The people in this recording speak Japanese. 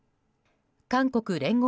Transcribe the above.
韓国・聯合